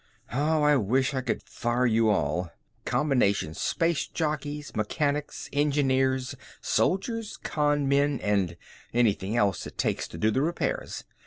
"How I wish I could fire you all! Combination space jockeys, mechanics, engineers, soldiers, con men and anything else it takes to do the repairs.